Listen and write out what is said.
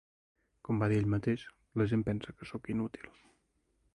Com va dir ell mateix: la gent pensa que soc inútil.